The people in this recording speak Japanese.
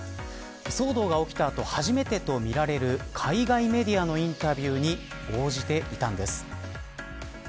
騒動が起きた後初めてとみられる海外メディアのインタビューに応じていたんです。